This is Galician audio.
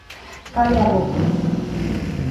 Cale a boca.